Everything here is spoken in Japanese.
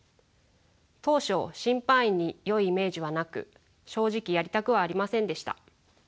当初審判員によいイメージはなく正直やりたくはありませんでした。